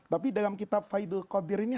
tapi dalam kitab faidul qadir ini